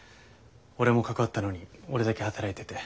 俺も関わったのに俺だけ働いてて。